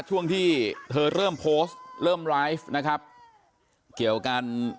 ช่วงที่เธอเริ่มโพสต์เริ่มไลฟ์นะครับเกี่ยวกัน